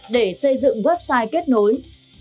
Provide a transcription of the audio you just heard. để xây dựng website kết nối với các người tự sưng